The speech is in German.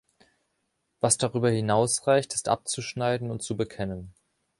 Was darüber hinausreicht ist abzuschneiden und zu bekennen.